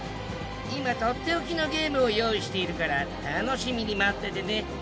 今とっておきのゲームを用意しているから楽しみに待っててね。